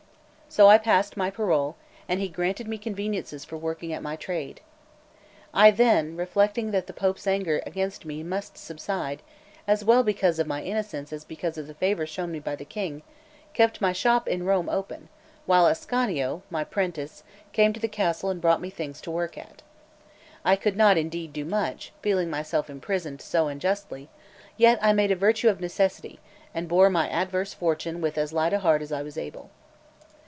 So I passed my parole, and he granted me conveniences for working at my trade. I then, reflecting that the Pope's anger against me must subside, as well because of my innocence as because of the favour shown me by the King, kept my shop in Rome open, while Ascanio, my prentice, came to the castle and brought me things to work at. I could not indeed do much, feeling myself imprisoned so unjustly; yet I made a virtue of necessity, and bore my adverse fortune with as light a heart as I was able.